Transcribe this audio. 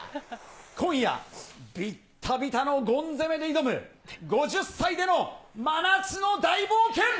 今夜、びったびたのゴン攻めで挑む、５０歳での真夏の大冒険！